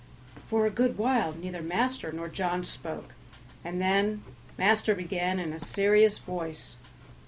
For a good while neither master nor John spoke, and then master began in a serious voice.